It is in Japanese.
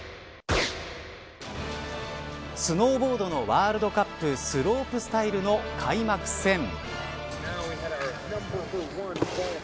スノーボードのワールドカップスロープスタイルの開幕戦。